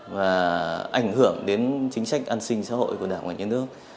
và ảnh hưởng đến chính sách an sinh xã hội của đảng và nhân nước